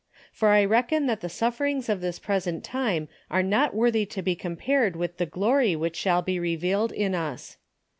... For I reckon that the sufferings of this present time are not worthy to be compared with the glory which shall be revealed in us.